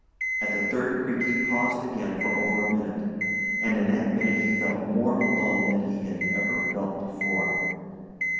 At the third creak he paused again for over a minute and in that minute he felt more alone than he had ever felt before.